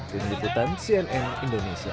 dendam ketan cnn indonesia